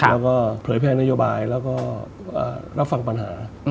แล้วก็เผยแพร่นโยบายแล้วก็รับฟังปัญหา